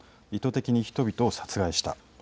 意図的に人々を殺害した。